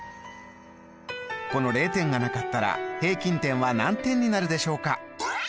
この０点がなかったら平均点は何点になるでしょうか？